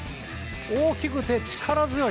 大きくて力強い。